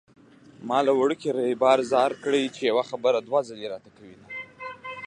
ما له وړوکي ريبار ځار کړې چې يوه خبره دوه ځلې راته کوينه